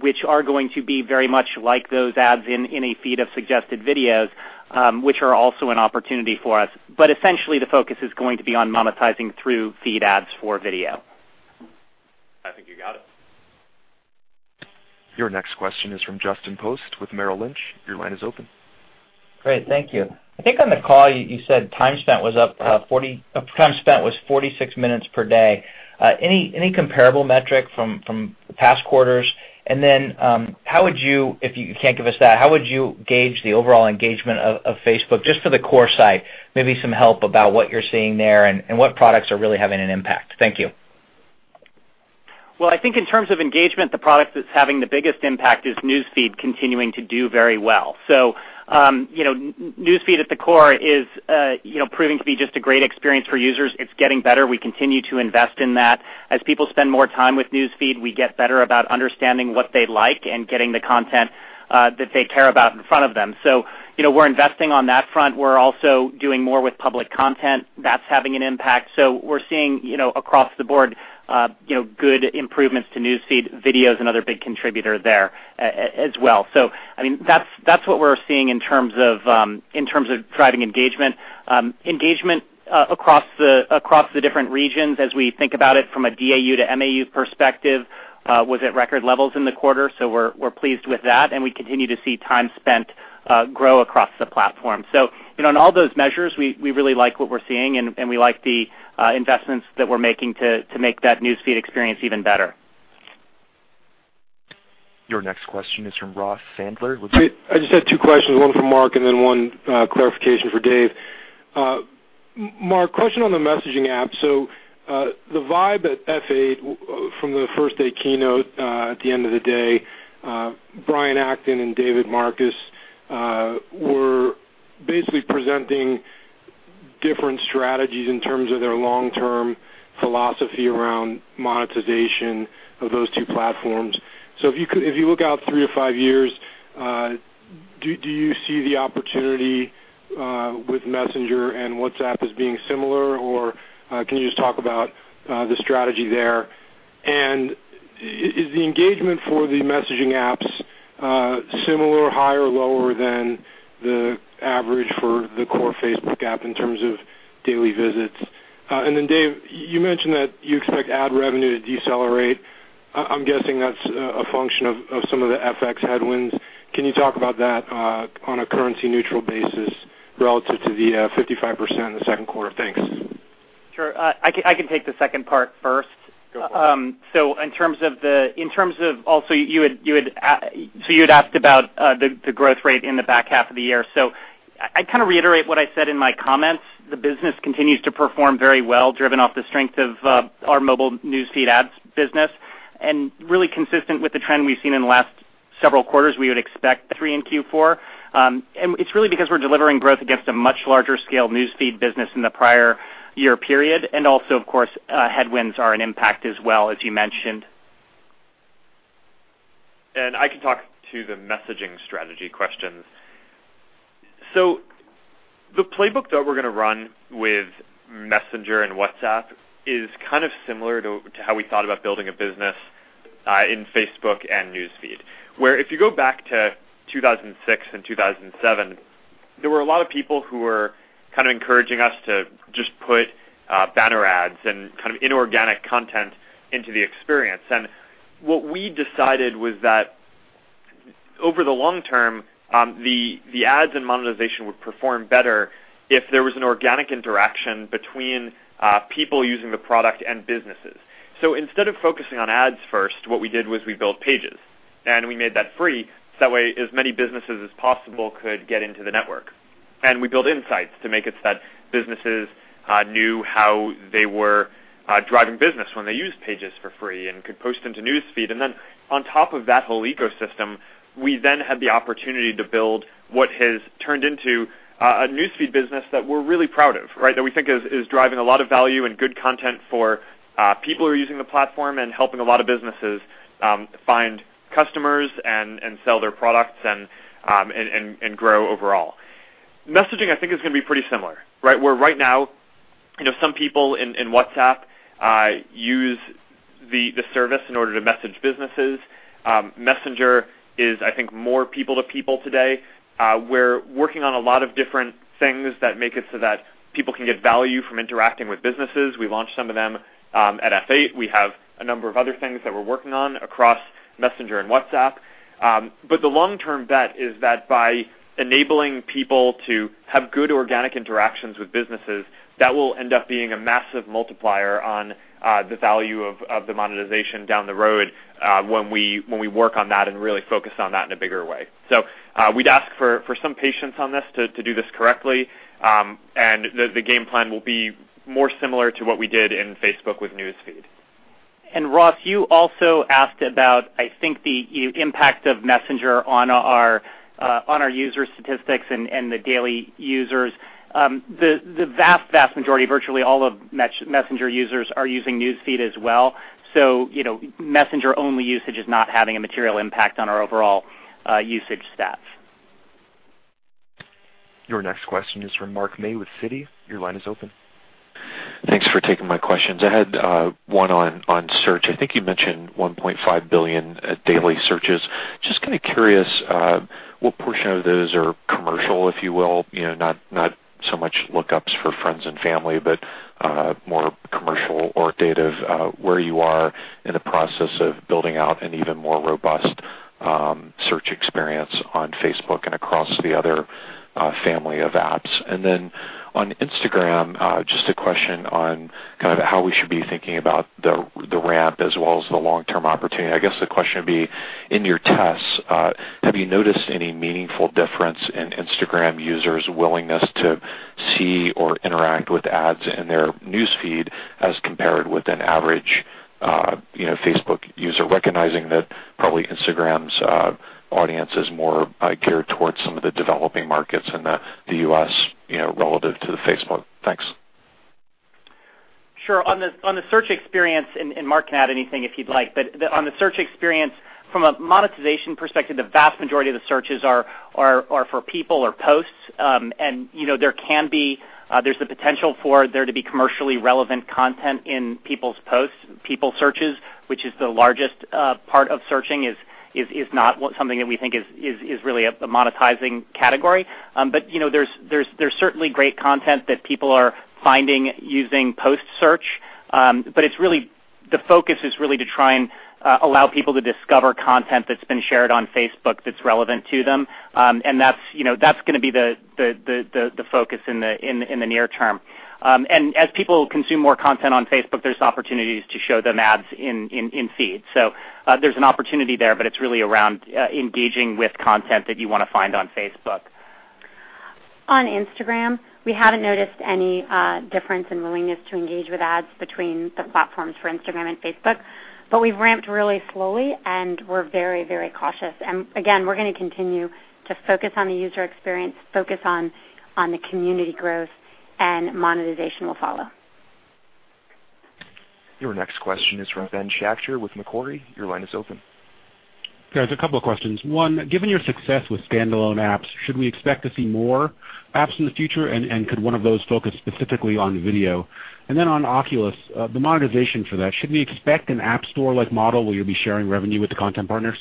which are going to be very much like those ads in a feed of suggested videos, which are also an opportunity for us. Essentially, the focus is going to be on monetizing through feed ads for video. I think you got it. Your next question is from Justin Post with Merrill Lynch. Your line is open. Great. Thank you. I think on the call you said time spent was up, 46 minutes per day. Any comparable metric from past quarters? Then, how would you, if you can't give us that, how would you gauge the overall engagement of Facebook just for the core site? Maybe some help about what you're seeing there and what products are really having an impact. Thank you. Well, I think in terms of engagement, the product that's having the biggest impact is News Feed continuing to do very well. You know, News Feed at the core is, you know, proving to be just a great experience for users. It's getting better. We continue to invest in that. As people spend more time with News Feed, we get better about understanding what they like and getting the content that they care about in front of them. You know, we're investing on that front. We're also doing more with public content. That's having an impact. We're seeing, you know, across the board, you know, good improvements to News Feed. Video is another big contributor there as well. I mean, that's what we're seeing in terms of, in terms of driving engagement. Engagement across the different regions as we think about it from a DAU to MAU perspective was at record levels in the quarter. We're pleased with that, and we continue to see time spent grow across the platform. You know, in all those measures, we really like what we're seeing and we like the investments that we're making to make that News Feed experience even better. Your next question is from Ross Sandler. I just had two questions, one for Mark and then one clarification for Dave. Mark, question on the messaging app. The vibe at F8 from the first-day keynote, at the end of the day, Brian Acton and David Marcus were basically presenting different strategies in terms of their long-term philosophy around monetization of those two platforms. If you look out three to five years, do you see the opportunity with Messenger and WhatsApp as being similar? Can you just talk about the strategy there? Is the engagement for the messaging apps similar, higher, lower than the average for the core Facebook app in terms of daily visits? Dave, you mentioned that you expect ad revenue to decelerate. I'm guessing that's a function of some of the FX headwinds. Can you talk about that on a currency-neutral basis relative to the 55% in the second quarter? Thanks. Sure. I can take the second part first. Go for it. In terms of Also, you had asked about the growth rate in the back half of the year. I kind of reiterate what I said in my comments. The business continues to perform very well, driven off the strength of our mobile News Feed ads business. Really consistent with the trend we've seen in the last several quarters, we would expect three in Q4. It's really because we're delivering growth against a much larger scale News Feed business in the prior year period. Also, of course, headwinds are an impact as well, as you mentioned. I can talk to the messaging strategy questions. The playbook that we're gonna run with Messenger and WhatsApp is kind of similar to how we thought about building a business in Facebook and News Feed. If you go back to 2006 and 2007, there were a lot of people who were kind of encouraging us to just put banner ads and kind of inorganic content into the experience. What we decided was that over the long term, the ads and monetization would perform better if there was an organic interaction between people using the product and businesses. Instead of focusing on ads first, what we did was we built Pages, and we made that free, so that way as many businesses as possible could get into the network. We built Insights to make it so that businesses knew how they were driving business when they used Pages for free and could post them to News Feed. Then on top of that whole ecosystem, we then had the opportunity to build what has turned into a News Feed business that we're really proud of, right? That we think is driving a lot of value and good content for people who are using the platform and helping a lot of businesses find customers and sell their products and grow overall. Messaging, I think, is gonna be pretty similar, right? Where right now, you know, some people in WhatsApp use the service in order to message businesses. Messenger is, I think, more people to people today. We're working on a lot of different things that make it so that people can get value from interacting with businesses. We launched some of them at F8. We have a number of other things that we're working on across Messenger and WhatsApp. The long-term bet is that by enabling people to have good organic interactions with businesses, that will end up being a massive multiplier on the value of the monetization down the road, when we work on that and really focus on that in a bigger way. We'd ask for some patience on this to do this correctly. The game plan will be more similar to what we did in Facebook with News Feed. Ross, you also asked about, I think, the impact of Messenger on our on our user statistics and the daily users. The vast majority, virtually all of Messenger users are using News Feed as well. You know, Messenger-only usage is not having a material impact on our overall usage stats. Your next question is from Mark May with Citi. Your line is open. Thanks for taking my questions. I had one on search. I think you mentioned 1.5 billion daily searches. Just kind of curious what portion of those are commercial, if you will? You know, not so much lookups for friends and family, but more commercial or date of where you are in the process of building out an even more robust search experience on Facebook and across the other family of apps. On Instagram, just a question on kind of how we should be thinking about the ramp as well as the long-term opportunity. I guess the question would be: In your tests, have you noticed any meaningful difference in Instagram users' willingness to see or interact with ads in their News Feed as compared with an average, you know, Facebook user? Recognizing that probably Instagram's audience is more geared towards some of the developing markets in the U.S., you know, relative to the Facebook. Thanks. Sure. On the search experience, Mark can add anything if he'd like. On the search experience from a monetization perspective, the vast majority of the searches are for people or posts. You know, there can be, there's the potential for there to be commercially relevant content in people's posts. People searches, which is the largest part of searching is not what something that we think is really a monetizing category. You know, there's certainly great content that people are finding using post search. The focus is really to try and allow people to discover content that's been shared on Facebook that's relevant to them. That's, you know, that's gonna be the focus in the near term. As people consume more content on Facebook, there's opportunities to show them ads in feed. There's an opportunity there, but it's really around engaging with content that you wanna find on Facebook. On Instagram, we haven't noticed any difference in willingness to engage with ads between the platforms for Instagram and Facebook. We've ramped really slowly, and we're very cautious. Again, we're gonna continue to focus on the user experience, focus on the community growth, and monetization will follow. Your next question is from Ben Schachter with Macquarie. Your line is open. Yeah, just two questions. One, given your success with standalone apps, should we expect to see more apps in the future, and could one of those focus specifically on video? Then on Oculus, the monetization for that, should we expect an app store-like model where you will be sharing revenue with the content partners?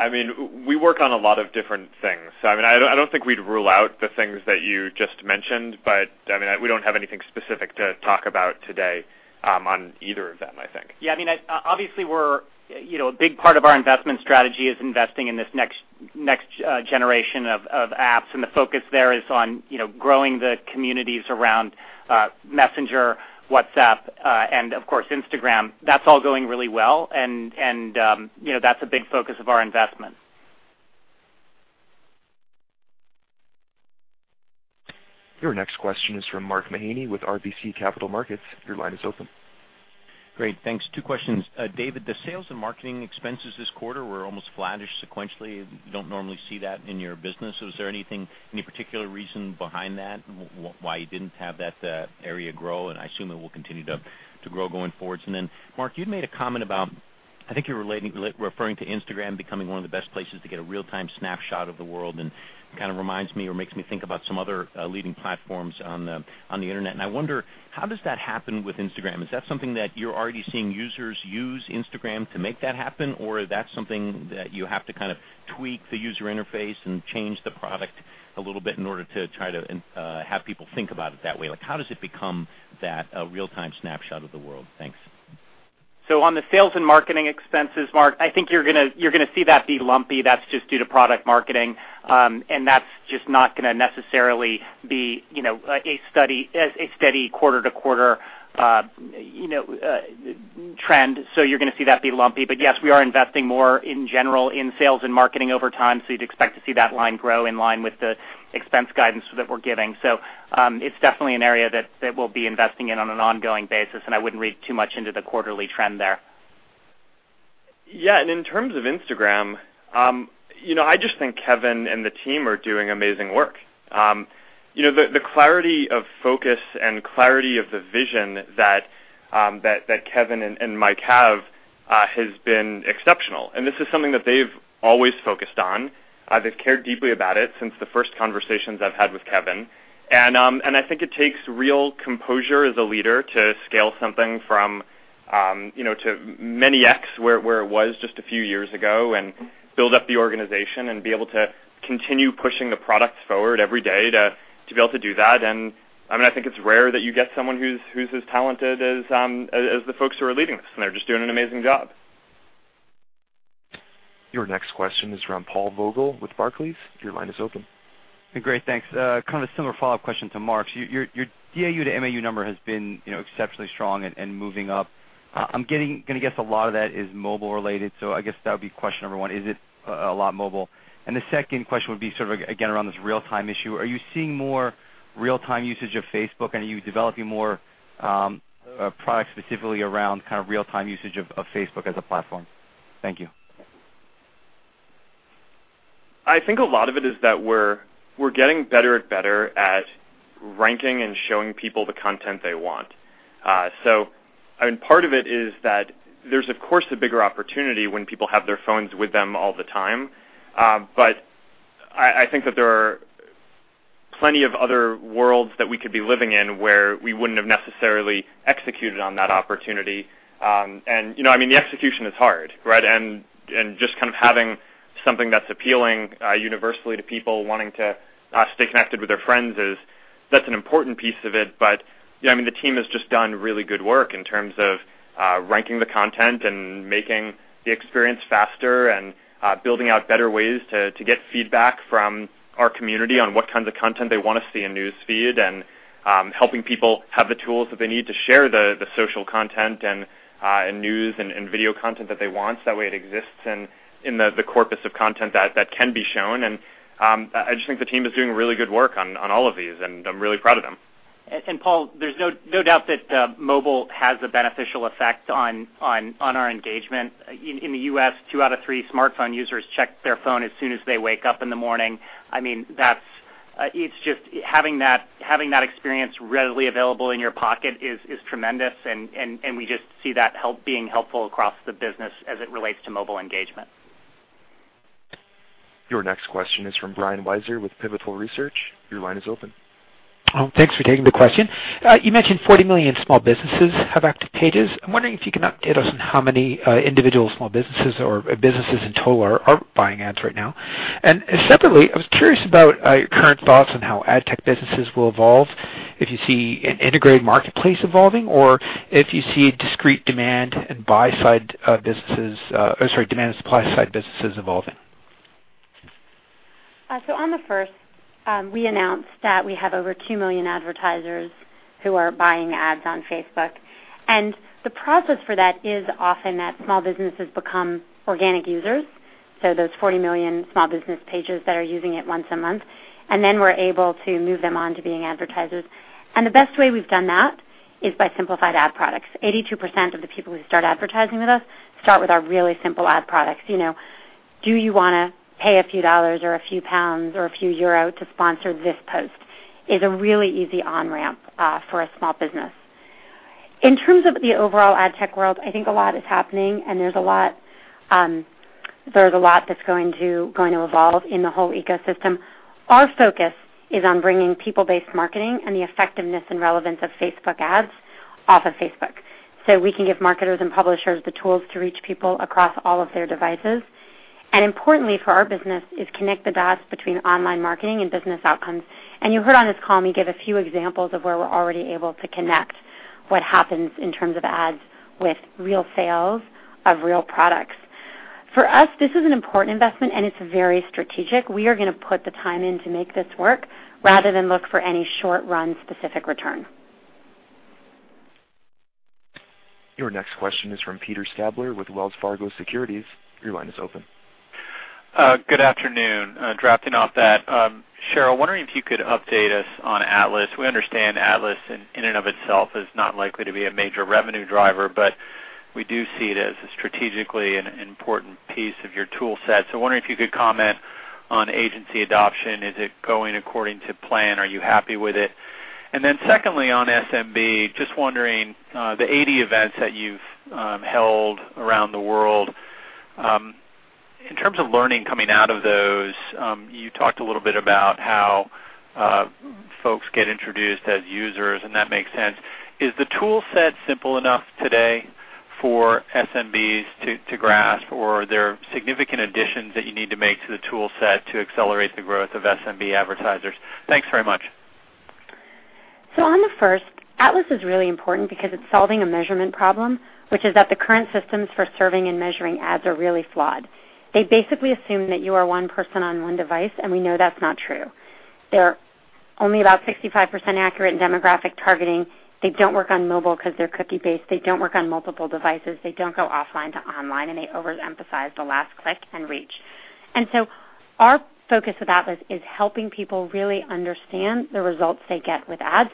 Thanks. I mean, we work on a lot of different things. I mean, I don't think we'd rule out the things that you just mentioned, but I mean, we don't have anything specific to talk about today on either of them, I think. Yeah. I mean, obviously, we're, you know, a big part of our investment strategy is investing in this next generation of apps, the focus there is on, you know, growing the communities around Messenger, WhatsApp, and of course, Instagram. That's all going really well and, you know, that's a big focus of our investment. Your next question is from Mark Mahaney with RBC Capital Markets. Your line is open. Great. Thanks. Two questions. David, the sales and marketing expenses this quarter were almost flattish sequentially. You don't normally see that in your business. Was there anything, any particular reason behind that, why you didn't have that area grow? I assume it will continue to grow going forwards. Mark, you'd made a comment about, I think you were referring to Instagram becoming one of the best places to get a real-time snapshot of the world, and kind of reminds me or makes me think about some other leading platforms on the internet. I wonder, how does that happen with Instagram? Is that something that you're already seeing users use Instagram to make that happen, or that's something that you have to kind of tweak the user interface and change the product a little bit in order to try to have people think about it that way? Like, how does it become that a real-time snapshot of the world? Thanks. On the sales and marketing expenses, Mark, I think you're gonna see that be lumpy. That's just due to product marketing. That's just not gonna necessarily be, you know, a steady quarter to quarter, you know, trend. You're gonna see that be lumpy. Yes, we are investing more in general in sales and marketing over time, so you'd expect to see that line grow in line with the expense guidance that we're giving. It's definitely an area that we'll be investing in on an ongoing basis, and I wouldn't read too much into the quarterly trend there. Yeah. In terms of Instagram, you know, I just think Kevin and the team are doing amazing work. You know, the clarity of focus and clarity of the vision that Kevin and Mike have has been exceptional. This is something that they've always focused on. They've cared deeply about it since the first conversations I've had with Kevin. I think it takes real composure as a leader to scale something from, you know, to many X where it was just a few years ago and build up the organization and be able to continue pushing the products forward every day to be able to do that. I mean, I think it's rare that you get someone who's as talented as the folks who are leading this. They're just doing an amazing job. Your next question is from Paul Vogel with Barclays. Your line is open. Great. Thanks. Kind of a similar follow-up question to Mark. Your, your DAU to MAU number has been, you know, exceptionally strong and moving up. I'm gonna guess a lot of that is mobile related. I guess that would be question number one. Is it a lot mobile? The second question would be sort of, again, around this real-time issue. Are you seeing more real-time usage of Facebook? Are you developing more products specifically around kind of real-time usage of Facebook as a platform? Thank you. I think a lot of it is that we're getting better and better at ranking and showing people the content they want. I mean, part of it is that there's, of course, a bigger opportunity when people have their phones with them all the time. I think that there are plenty of other worlds that we could be living in where we wouldn't have necessarily executed on that opportunity. You know, I mean, the execution is hard, right? Just kind of having something that's appealing, universally to people wanting to stay connected with their friends is that's an important piece of it. You know, I mean, the team has just done really good work in terms of ranking the content and making the experience faster and building out better ways to get feedback from our community on what kinds of content they wanna see in News Feed, and helping people have the tools that they need to share the social content and news and video content that they want. That way it exists in the corpus of content that can be shown. I just think the team is doing really good work on all of these, and I'm really proud of them. Paul, there's no doubt that mobile has a beneficial effect on our engagement. In the U.S., two out of three smartphone users check their phone as soon as they wake up in the morning. I mean, that's. Having that experience readily available in your pocket is tremendous, and we just see that being helpful across the business as it relates to mobile engagement. Your next question is from Brian Wieser with Pivotal Research. Your line is open. Oh, thanks for taking the question. You mentioned 40 million small businesses have active Pages. I'm wondering if you can update us on how many individual small businesses or businesses in total are buying ads right now. Separately, I was curious about your current thoughts on how ad tech businesses will evolve, if you see an integrated marketplace evolving or if you see discrete demand and buy-side businesses or demand and supply-side businesses evolving. We announced that we have over two million advertisers who are buying ads on Facebook. The process for that is often that small businesses become organic users, so those 40 million small business Pages that are using it once a month, and then we're able to move them on to being advertisers. The best way we've done that is by simplified ad products. 82% of the people who start advertising with us start with our really simple ad products. Do you wanna pay a few dollars or a few pounds or a few euro to sponsor this post, is a really easy on-ramp for a small business. In terms of the overall ad tech world, I think a lot is happening, and there's a lot that's going to evolve in the whole ecosystem. Our focus is on bringing people-based marketing and the effectiveness and relevance of Facebook ads off of Facebook. We can give marketers and publishers the tools to reach people across all of their devices, and importantly for our business is connect the dots between online marketing and business outcomes. You heard on this call me give a few examples of where we're already able to connect what happens in terms of ads with real sales of real products. For us, this is an important investment, and it's very strategic. We are gonna put the time in to make this work rather than look for any short-run specific return. Your next question is from Peter Stabler with Wells Fargo Securities. Your line is open. Good afternoon. Drafting off that, Sheryl, wondering if you could update us on Atlas. We understand Atlas in and of itself is not likely to be a major revenue driver, but we do see it as a strategically an important piece of your tool set. Wondering if you could comment on agency adoption. Is it going according to plan? Are you happy with it? Secondly, on SMB, just wondering, the 80 events that you've held around the world, in terms of learning coming out of those, you talked a little bit about how folks get introduced as users, and that makes sense. Is the tool set simple enough today for SMBs to grasp, or are there significant additions that you need to make to the tool set to accelerate the growth of SMB advertisers? Thanks very much. On the first, Atlas is really important because it's solving a measurement problem, which is that the current systems for serving and measuring ads are really flawed. They basically assume that you are one person on one device, and we know that's not true. They're only about 65% accurate in demographic targeting. They don't work on mobile because they're cookie-based. They don't work on multiple devices. They don't go offline to online, and they overemphasize the last click and reach. Our focus with Atlas is helping people really understand the results they get with ads.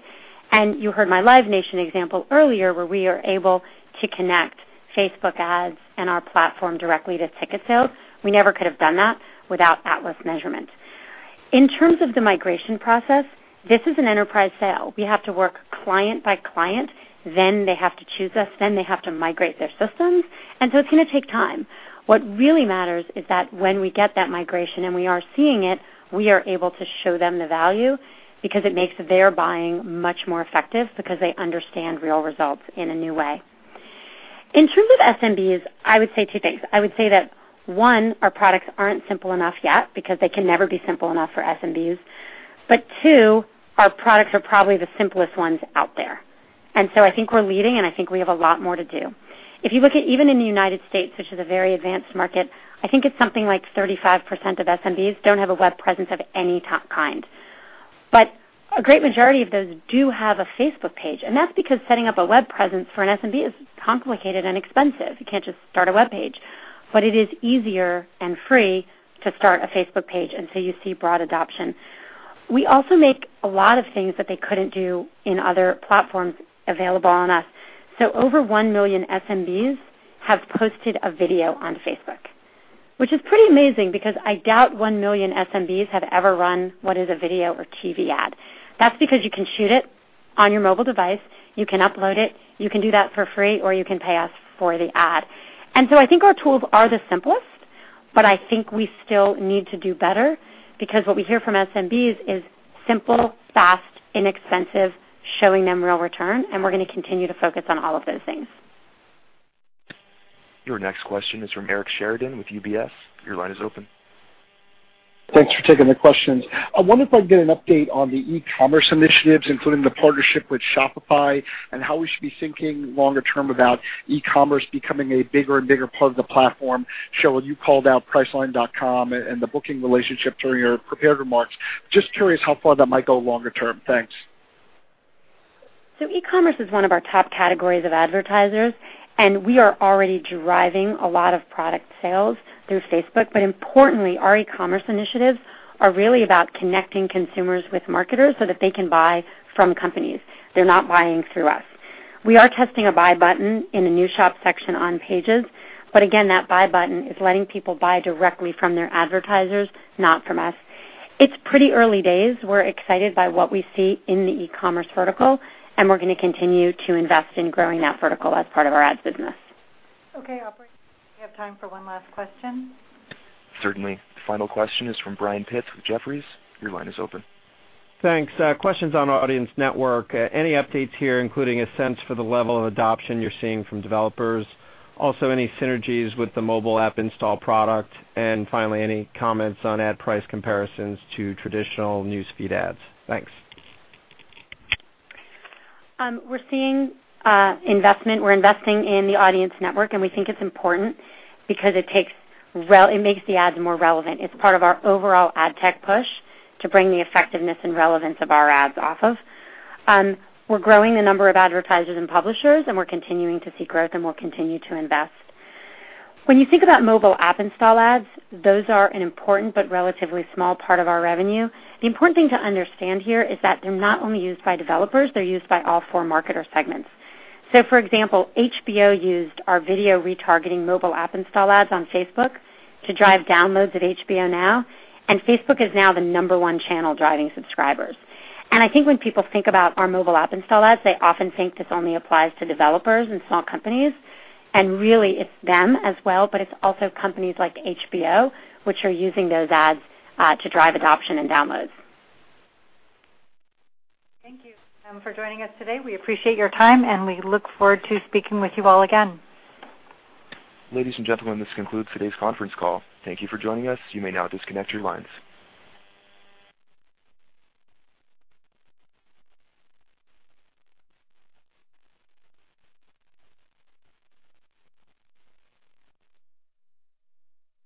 You heard my Live Nation example earlier, where we are able to connect Facebook ads and our platform directly to ticket sales. We never could have done that without Atlas measurement. In terms of the migration process, this is an enterprise sale. We have to work client by client. They have to choose us. They have to migrate their systems. It's gonna take time. What really matters is that when we get that migration, and we are seeing it, we are able to show them the value because it makes their buying much more effective because they understand real results in a new way. In terms of SMBs, I would say two things. I would say that, one, our products aren't simple enough yet because they can never be simple enough for SMBs. Two, our products are probably the simplest ones out there. I think we're leading, and I think we have a lot more to do. If you look at even in the U.S., which is a very advanced market, I think it's something like 35% of SMBs don't have a web presence of any kind. A great majority of those do have a Facebook Page, that's because setting up a web presence for an SMB is complicated and expensive. You can't just start a web page. It is easier and free to start a Facebook Page, and so you see broad adoption. We also make a lot of things that they couldn't do in other platforms available on us. Over 1 million SMBs have posted a video on Facebook, which is pretty amazing because I doubt 1 million SMBs have ever run what is a video or TV ad. That's because you can shoot it on your mobile device, you can upload it, you can do that for free, or you can pay us for the ad. I think our tools are the simplest, but I think we still need to do better because what we hear from SMBs is simple, fast, inexpensive, showing them real return, and we're gonna continue to focus on all of those things. Your next question is from Eric Sheridan with UBS. Your line is open. Thanks for taking the questions. I wonder if I can get an update on the e-commerce initiatives, including the partnership with Shopify, and how we should be thinking longer term about e-commerce becoming a bigger and bigger part of the platform. Sheryl, you called out Priceline.com and the booking relationship during your prepared remarks. Just curious how far that might go longer term. Thanks. E-commerce is one of our top categories of advertisers, and we are already driving a lot of product sales through Facebook. Importantly, our e-commerce initiatives are really about connecting consumers with marketers so that they can buy from companies. They're not buying through us. We are testing a buy button in the new shop section on Pages, again, that buy button is letting people buy directly from their advertisers, not from us. It's pretty early days. We're excited by what we see in the e-commerce vertical, and we're gonna continue to invest in growing that vertical as part of our ads business. Okay. Operator, we have time for one last question. Certainly. The final question is from Brian Pitz with Jefferies. Your line is open. Thanks. Questions on Audience Network. Any updates here, including a sense for the level of adoption you're seeing from developers? Any synergies with the mobile app install product? Any comments on ad price comparisons to traditional News Feed ads? Thanks. We're seeing investment. We're investing in the Audience Network. We think it's important because it makes the ads more relevant. It's part of our overall ad tech push to bring the effectiveness and relevance of our ads off of. We're growing the number of advertisers and publishers. We're continuing to see growth. We'll continue to invest. When you think about mobile app install ads, those are an important but relatively small part of our revenue. The important thing to understand here is that they're not only used by developers, they're used by all four marketer segments. For example, HBO used our video retargeting mobile app install ads on Facebook to drive downloads of HBO Now. Facebook is now the number one channel driving subscribers. I think when people think about our mobile app install ads, they often think this only applies to developers and small companies. Really, it's them as well, but it's also companies like HBO, which are using those ads to drive adoption and downloads. Thank you for joining us today. We appreciate your time, and we look forward to speaking with you all again. Ladies and gentlemen, this concludes today's conference call. Thank you for joining us. You may now disconnect your lines.